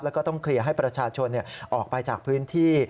แล้วก็ต้องเคลียร์ให้ประชาชนออกไปจากพื้นที่